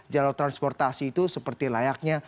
jalur transportasi itu seperti layaknya